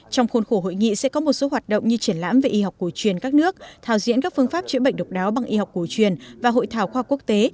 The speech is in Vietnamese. trong khuôn khổ hội nghị sẽ có một số hoạt động như triển lãm về y học cổ truyền các nước thảo diễn các phương pháp chữa bệnh độc đáo bằng y học cổ truyền và hội thảo khoa quốc tế